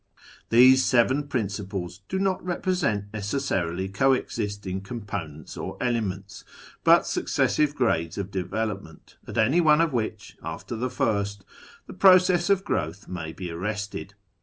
These " seven principles " do not represent neces sarily CO existing components or elements, but successive grades of development, at any one of which, after the first, the process of growth may be arrested.